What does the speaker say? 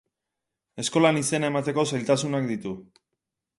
Eskolan izena emateko zailtasunak ditu.